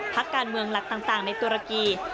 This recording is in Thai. พักการเมืองหลักต่างในตุรกี